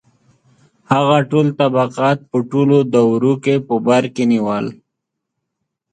• هغه ټول طبقات په ټولو دورو کې په بر کې نیول.